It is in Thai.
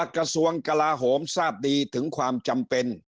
กระทรวงกลาโหมทราบดีถึงความจำเป็น